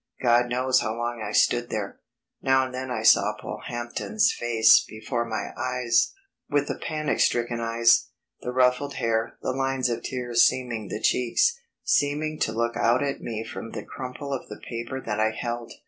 God knows how long I stood there. Now and then I saw Polehampton's face before my eyes, with the panic stricken eyes, the ruffled hair, the lines of tears seaming the cheeks, seeming to look out at me from the crumple of the paper that I held.